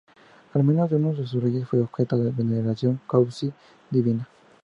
Al menos uno de sus reyes fue objeto de veneración cuasi divina.